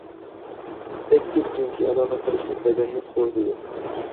بەك كۆپ جىنسىي ئالاقە قىلىشمۇ بەدەننى خورىتىدۇ.